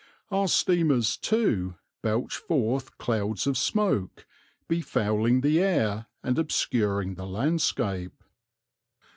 Our steamers, too, belch forth clouds of smoke, befouling the air and obscuring the landscape.